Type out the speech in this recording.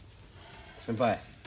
先輩。